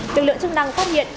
được lượng chức năng phát hiện